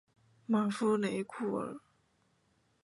马夫雷库尔。